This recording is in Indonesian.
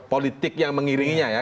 politik yang mengiringinya ya